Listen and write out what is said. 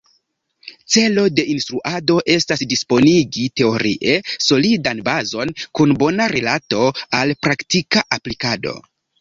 Celo de instruado estas disponigi teorie solidan bazon kun bona rilato al praktika aplikado.